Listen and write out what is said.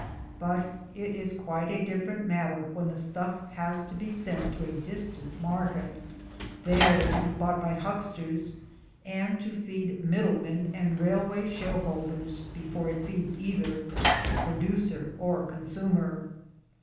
But it is quite a different matter when the stuff has to be sent to a distant market, there to be bought by hucksters, and to feed middle men and railway shareholders, before it feeds either the producer or consumer.